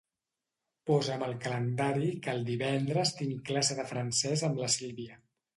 Posa'm al calendari que el divendres tinc classe de francès amb la Sílvia.